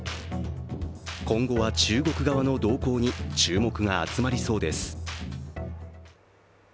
今後は中国側の動向に注目が集まりそうです。